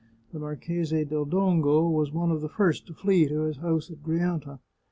The Marchese del Dongo was one of the first to flee to his house at Grianta.